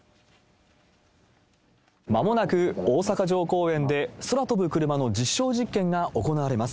まもなく大阪城公園で空飛ぶクルマの実証実験が行われます。